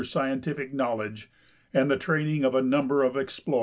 scientific knowledge and the training of a number of exi»l(M'er.